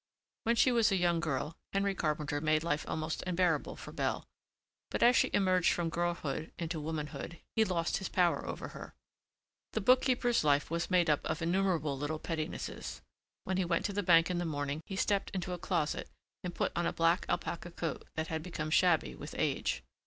When she was a young girl Henry Carpenter made life almost unbearable for Belle, but as she emerged from girlhood into womanhood he lost his power over her. The bookkeeper's life was made up of innumerable little pettinesses. When he went to the bank in the morning he stepped into a closet and put on a black alpaca coat that had become shabby with age.